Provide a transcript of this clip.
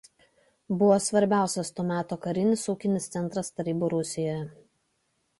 Buvo svarbiausias to meto karinis ūkinis centras Tarybų Rusijoje.